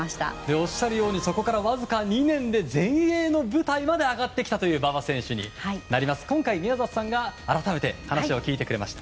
おっしゃるようにそこからわずか２年で全英の舞台まで上がってきた馬場選手に今回、宮里さんが改めて話を聞いてくれました。